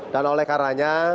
dan oleh karanya